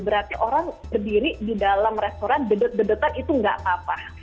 berarti orang berdiri di dalam restoran dedet dedetan itu nggak apa apa